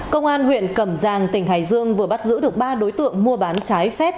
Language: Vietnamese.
công an huyện cẩm giang tỉnh hải dương vừa bắt giữ được ba đối tượng mua bán trái phép